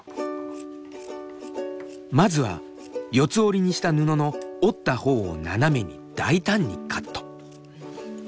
まずは四つ折りにした布の折ったほうを斜めに大胆にカット。